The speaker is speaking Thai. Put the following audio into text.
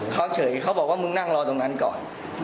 เขาเฉยเขาบอกว่ามึงนั่งรอตรงนั้นก่อน